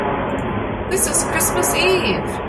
This is Christmas Eve.